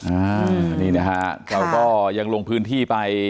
อ่านี่นะฮะเราก็ยังลงพื้นที่ไป